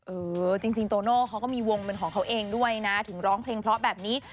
เออจริงโตโน่เขาก็มีวงเป็นของเขาเองด้วยนะถึงร้องเพลงเพราะแบบนี้